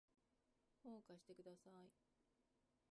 本を貸してください